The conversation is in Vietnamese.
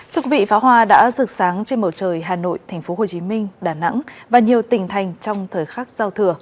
thực vị phá hoa đã rực sáng trên mầu trời hà nội tp hcm đà nẵng và nhiều tỉnh thành trong thời khắc giao thừa